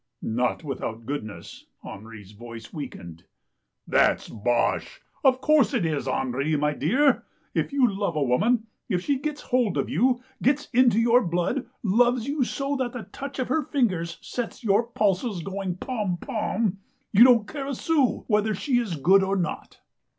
Not without goodness." Henri's voice weakened. " That's bosh. Of course it is, Henri, my dear. If you love a woman, if she gets hold of you, gets into your blood, loves you so that the touch of her fingers sets your pulses going pom pom, you don't care a sou whether she is good or not."